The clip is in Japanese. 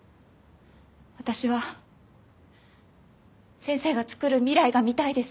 私は先生がつくる未来が見たいです。